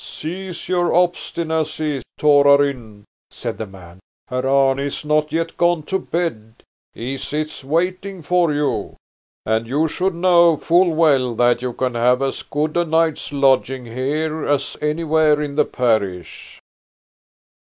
"Cease your obstinacy, Torarin!" said the man. "Herr Arne is not yet gone to bed, he sits waiting for you. And you should know full well that you can have as good a night's lodging here as anywhere in the parish."